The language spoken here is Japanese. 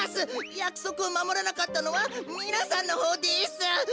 やくそくをまもらなかったのはみなさんのほうです。